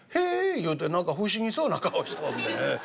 言うて何か不思議そうな顔しとんねん。